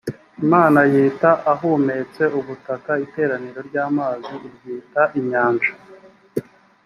imana yita ahumutse ubutaka iteraniro ry’amazi iryita inyanja